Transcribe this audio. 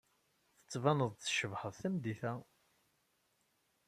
Tettbaneḍ-d tcebḥeḍ tameddit-a.